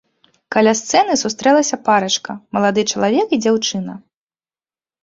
Каля сцэны сустрэлася парачка, малады чалавек і дзяўчына.